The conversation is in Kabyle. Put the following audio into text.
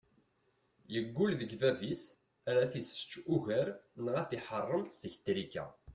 Yeggul deg bab-is ar ad t-issečč ugar neɣ ad t-iḥeṛṛem seg trika.